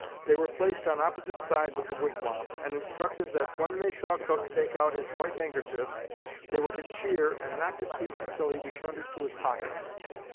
They were placed on opposite sides of the Wigwam, and instructed that when they saw Cook take out his white handkerchief they were to cheer and not to cease until he returned it to his pocket.